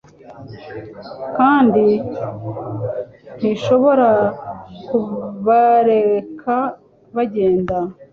kandi ntishobora kubareka bagenda